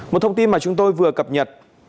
một thông tin mà chúng tôi vừa cập nhật